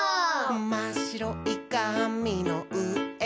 「まっしろいかみのうえをハイ！」